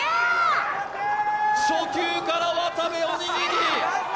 初球から渡部おにぎり！